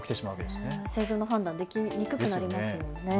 正常な判断ができにくくなりますよね。